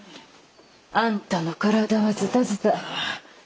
あんたの体はずたずた。